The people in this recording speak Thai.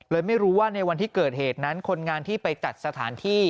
ไม่รู้ว่าในวันที่เกิดเหตุนั้นคนงานที่ไปจัดสถานที่